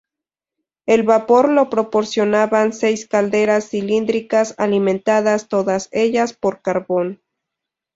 El vapor lo proporcionaban seis calderas cilíndricas alimentadas todas ellas por carbón.